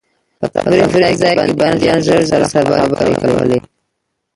په تفریح ځای کې بندیان ژر ژر سره خبرې کولې.